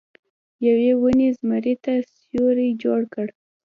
یوې ونې زمري ته سیوری جوړ کړ.